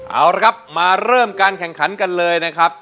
เอาละครับมาเริ่มการแข่งขันกันเลยนะครับ